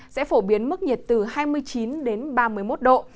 sẽ phổ biến mức nhiệt từ hai mươi chín đến ba mươi một độ